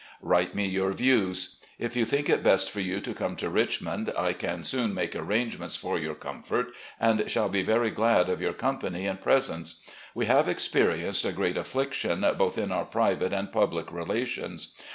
Write me your views. If you think it best for you to come to Richmond I can soon make arrangements for your comfort and shall be very glad of yotir company and presence. We have experienced a great affliction both in our private and public relations.